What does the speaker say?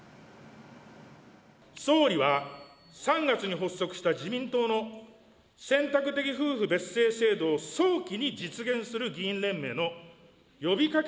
総理は３月に発足した自民党の選択的夫婦別姓制度を早期に実現する議員連盟の呼びかけ